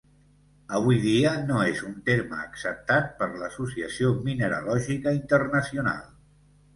Avui dia no és un terme acceptat per l'Associació Mineralògica Internacional.